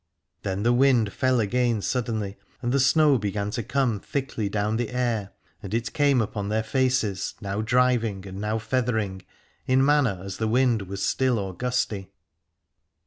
Then the wind fell again suddenly, and the snow began to come thickly down the air, and it came upon their faces now driving and now feathering, in manner as the wind was still or gusty.